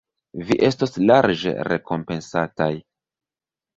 Vi estos larĝe rekompensataj.